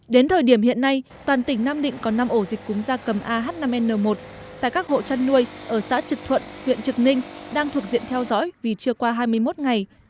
đến thời điểm hiện nay toàn tỉnh nam định có năm ổ dịch cúm da cầm ah năm n một tại các hộ chăn nuôi ở xã trực thuận huyện trực ninh đang thuộc diện theo dõi vì chưa qua hai mươi một ngày